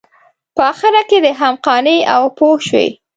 په اخره کې دی هم قانع او پوه شو.